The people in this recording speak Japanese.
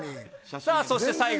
さあ、そして最後。